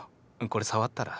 これ触ったら？